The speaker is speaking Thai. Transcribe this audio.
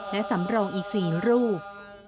และสำรงอีก๔รูป